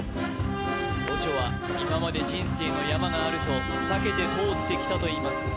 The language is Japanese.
オチョは今まで人生の山があると避けて通ってきたといいます